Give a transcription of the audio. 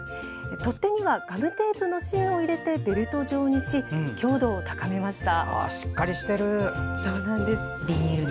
取っ手にはガムテープの芯を入れてベルト状にし、強度を高めました。